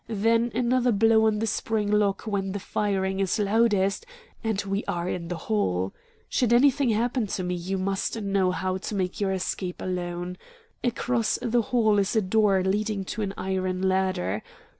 Then, another blow on the spring lock when the firing is loudest, and we are in the hall. Should anything happen to me, you must know how to make your escape alone. Across the hall is a door leading to an iron ladder.